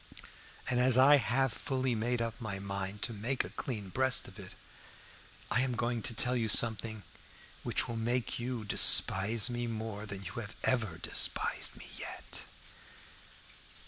And as I have fully made up my mind to make a clean breast of it, I am going to tell you something which will make you despise me more than you ever despised me yet.